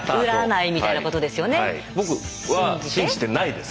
僕は信じてないです。